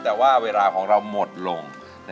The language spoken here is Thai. แต่ว่าเวลาของเราหมดลง